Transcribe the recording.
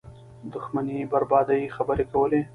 دښمنۍ بربادۍ خبرې کولې